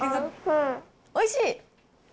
おいしい？